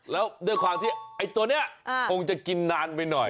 แล้วด้วยความที่ไอ้ตัวนี้คงจะกินนานไปหน่อย